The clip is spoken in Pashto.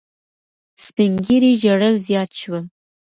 سپین ږیري ژړل زیات شول.